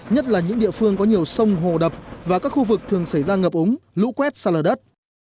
nhất là những địa phương có nhiều sông hồ đập và các khu vực thường xảy ra ngập ống lũ quét xa lở đất